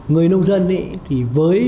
người nông dân thì với